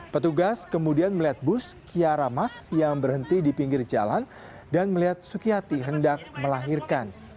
petugas kemudian melihat bus kiara mas yang berhenti di pinggir jalan dan melihat sukiyati hendak melahirkan